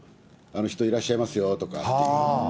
人いらっしゃいますよとかって。